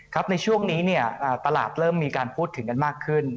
ครับช่วงนี้ตลาดมีการพูดถึงกันมากขึ้น